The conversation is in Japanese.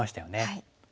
はい。